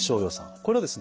これはですね